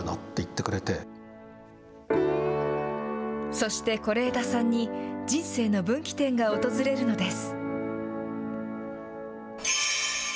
そして是枝さんに人生の分岐点が訪れるのです。